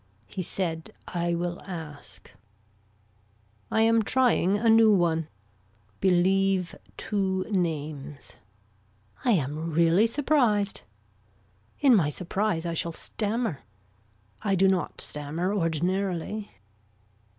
He said I will ask. I am trying a new one. Believe two names. I am really surprised. In my surprise I shall stammer. I do not stammer ordinarily.